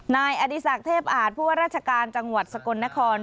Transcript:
นายอดีศักดิ์เทพอาจผู้ว่าราชการจังหวัดสกลนคร